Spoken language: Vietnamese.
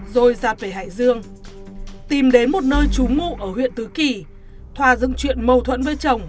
rồi giặt về hải dương tìm đến một nơi trú ngụ ở huyện tứ kỳ thoa dựng chuyện mâu thuẫn với chồng